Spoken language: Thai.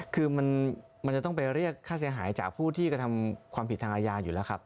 คือมันจะต้องไปเรียกค่าเสียหายจากผู้ที่กระทำความผิดทางอาญาอยู่แล้วครับ